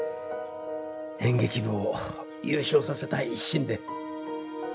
演劇部を優勝させたい一心で。